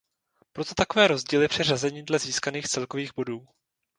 Proto takové rozdíly při řazení dle získaných celkových bodů.